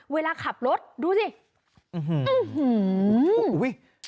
เวลาขับรถดูสิ